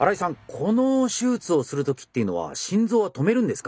この手術をする時っていうのは心臓は止めるんですか？